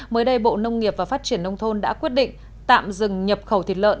mới đây bộ nông nghiệp và phát triển nông thôn đã quyết định tạm dừng nhập khẩu thịt lợn